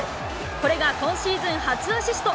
これが今シーズン初アシスト。